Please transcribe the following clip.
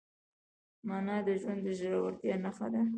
مانا د ژوند د ژورتیا نښه ده.